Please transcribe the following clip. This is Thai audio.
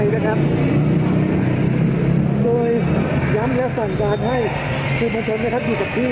โดยย้ำและสั่งการให้คุณผู้ชมนะครับอยู่กับที่